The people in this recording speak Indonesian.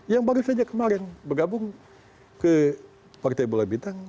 yang baru saja kemarin bergabung ke partai bulan bintang